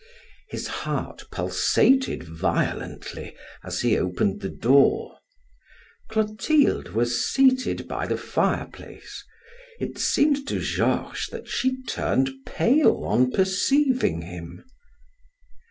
His heart pulsated violently as he opened the door. Clotilde was seated by the fireplace; it seemed to Georges that she turned pale on perceiving him.